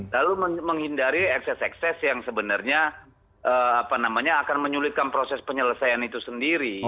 lalu menghindari ekses ekses yang sebenarnya akan menyulitkan proses penyelesaian itu sendiri